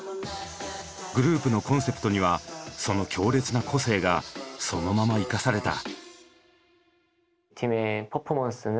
グループのコンセプトにはその強烈な個性がそのまま生かされた。